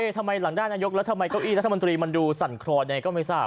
ทำไมหลังด้านนายกแล้วทำไมเก้าอี้รัฐมนตรีมันดูสั่นครอยังไงก็ไม่ทราบ